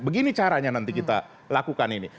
begini caranya nanti kita lakukan ini